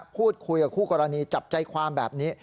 พูดคุยกับคู่กรณีจับใจความแบบนี้